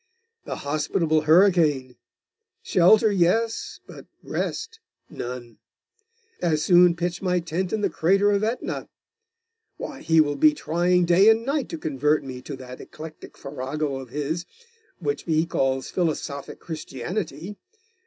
'The hospitable hurricane! Shelter, yes; but rest, none. As soon pitch my tent in the crater of Aetna. Why, he will be trying day and night to convert me to that eclectic farrago of his, which he calls philosophic Christianity.